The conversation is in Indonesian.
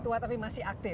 tua tapi masih aktif